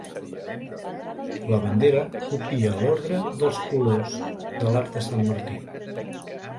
La bandera copia l'ordre dels colors de l'Arc de Sant Martí.